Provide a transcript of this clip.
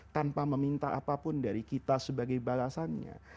tanpa meminta apapun dari kita sebagai balasannya